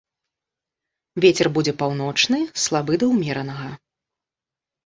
Вецер будзе паўночны, слабы да ўмеранага.